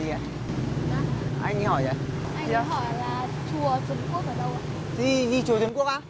anh có hỏi là chùa trung quốc ở đâu ạ